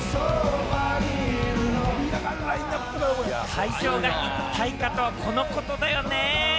会場が一体化とは、このことだよね。